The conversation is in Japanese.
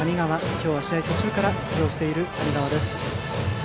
今日は試合途中から出場している谷川です。